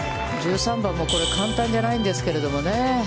１３番もこれ、簡単じゃないんですけどね。